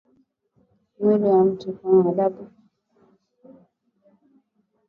Mwili ya mtu iko na adabu kushinda mtu mwenyewe